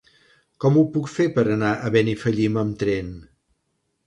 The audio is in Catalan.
Com ho puc fer per anar a Benifallim amb tren?